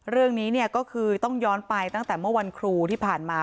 เรื่องนี้ก็คือต้องย้อนไปตั้งแต่เมื่อวันครูที่ผ่านมา